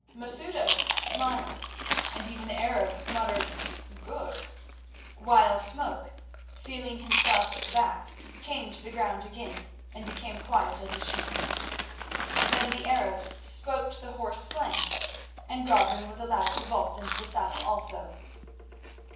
Masouda smiled, and even the Arab muttered "Good," while Smoke, feeling himself backed, came to the ground again and became quiet as a sheep. Then the Arab spoke to the horse Flame, and Godwin was allowed to vault into the saddle also.